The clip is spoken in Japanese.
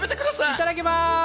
いただきます。